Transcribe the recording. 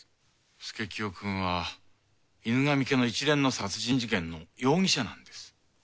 佐清くんは犬神家の一連の殺人事件の容疑者なんです。